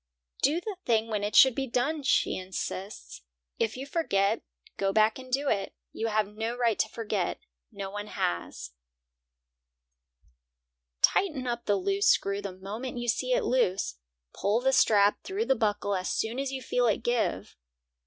"Do the thing when it should be done," she insists. "If you forget, go back and do it. You have no right to forget; no one has." Tighten up the loose screw the moment you see it is loose. Pull the strap through the buckle as soon as you feel it give.